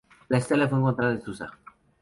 La estela fue encontrada en Susa.